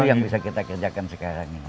itu yang bisa kita kerjakan sekarang ini